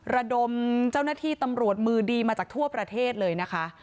ระดมเจ้าหน้าที่ตำรวจมือดีมาจากทั่วประเทศเลยนะคะ